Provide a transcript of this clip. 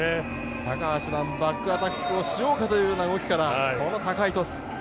高橋藍、バックアタックをしようかという動きからこの高いトス。